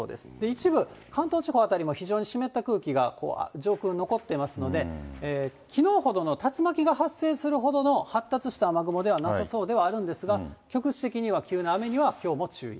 一部、関東地方辺りも非常に湿った空気が上空残っていますので、きのうほどの竜巻が発生するほどの発達した雨雲ではなさそうではあるんですが、局地的には急な雨には、きょうも注意。